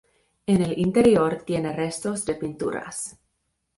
En el interior tiene restos de pinturas.